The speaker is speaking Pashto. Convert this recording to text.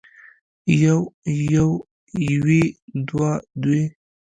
يو يوه يوې دوه دوې